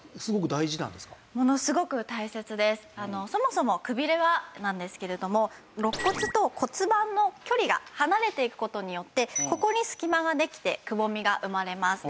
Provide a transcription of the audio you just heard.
そもそもくびれはなんですけれどもろっ骨と骨盤の距離が離れていく事によってここに隙間ができてくぼみが生まれます。